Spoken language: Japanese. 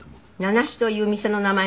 名なしという店の名前なの？